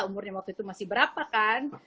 umurnya waktu itu masih berapa kan